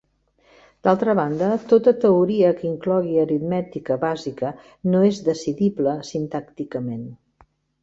D'altra banda, tota teoria que inclogui aritmètica bàsica no és decidible sintàcticament.